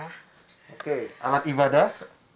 oke alat ibadah